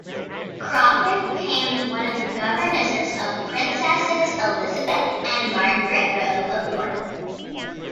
Crawford became one of the governesses of Princesses Elizabeth and Margaret Rose of York.